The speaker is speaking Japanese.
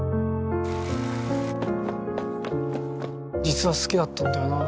実は好きだったんだよなあ。